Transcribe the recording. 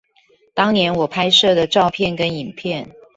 當年我拍攝的照片跟影片